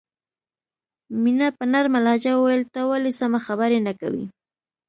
مینه په نرمه لهجه وویل ته ولې سمه خبره نه کوې